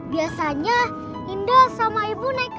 biasanya indah sama ibu naik angkot